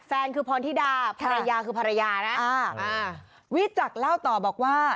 แฟนคือพรธิดาภรรยาคือภรรยานะอ่าอ่าวิจักรเล่าต่อบอกว่า